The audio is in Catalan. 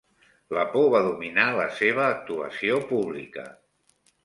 La por va dominar la seva actuació pública.